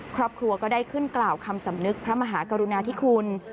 ครอบครัวก็ได้ขึ้นกล่าวคำสำนึกพระมหากรุณาธิคุณ